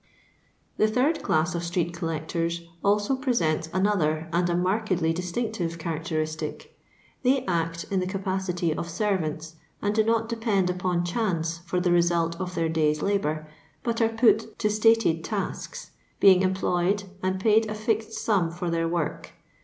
Tlie third class of street collectors also presents another and a markedly distinctive characteristic. They act in the capacity of servants, and do not depend upon chance for the result of their day's labour, but are put to stated tasks, being employed and paid a fixed sum for their work.